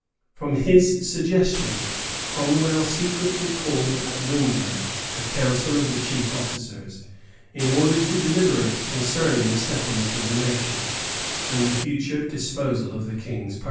From his suggestion, Cromwell secretly called at Windsor a council of the chief officers, in order to deliberate concerning the settlement of the nation, and the future disposal of the king's person.